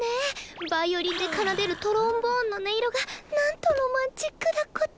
バイオリンで奏でるトロンボーンの音色がなんとロマンチックだこと。